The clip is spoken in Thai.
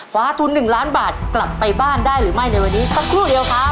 คว้าทุน๑ล้านบาทกลับไปบ้านได้หรือไม่ในวันนี้สักครู่เดียวครับ